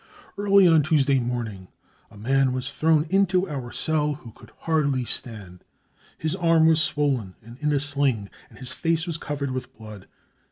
Early on Tues day morning a man was thrown into our cell who could hardly stand ; his arm was swollen and in a sling, and his face was covered with blood.